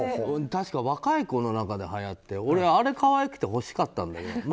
確か若い子の中ではやって俺、あれ可愛くて欲しかったんだけど。